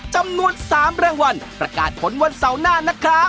จำนวน๓รางวัลประกาศผลวันเสาร์หน้านะครับ